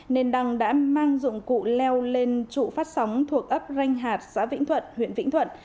nên đăng đã mang dụng cụ leo lên trụ phát sóng thuộc ấp ranh hạt xã vĩnh thuận huyện vĩnh thuận